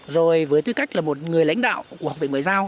rồi với tư cách là một người lãnh đạo của học viện ngoại giao